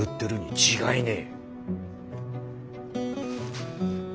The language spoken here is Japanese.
違えねえ。